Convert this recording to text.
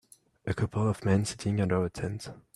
A couple of men sitting under a tent